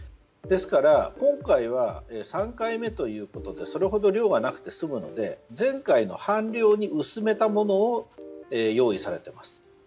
ですから、今回は３回目ということでそれほど量がなくて済むので前回の半量に薄めたものを用意されています。